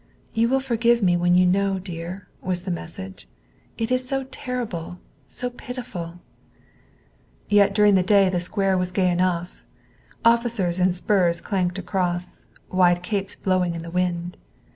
"You will forgive me when you know, dear," was the message. "It is so terrible! So pitiful!" Yet during the day the square was gay enough. Officers in spurs clanked across, wide capes blowing in the wind.